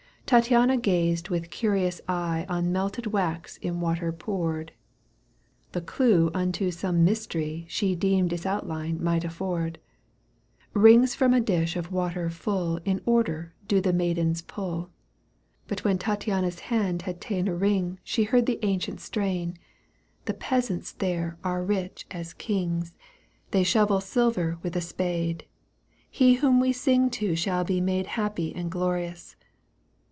Tattiana gazed with curious eye On melted wax in water poured ; The clue unto some mystery She deemed its outline might afford. Kings from a dish of water full In order due the maidens pull ; But when Tattiana's hand had ta'en A ring she heard the ancient strain : ТЬл peasatUs there are rich as kings, Digitized by VjOOQ 1С 132 EUGENE ON^IGUINE. canto v, They shovel silver with a spade. He whom we sing to shall be made Happy and ghriotis.